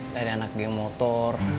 dari anak geng motor